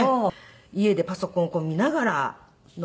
家でパソコンを見ながらの。